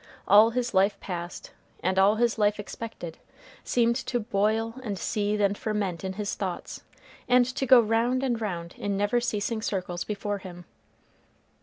All his life past, and all his life expected, seemed to boil and seethe and ferment in his thoughts, and to go round and round in never ceasing circles before him.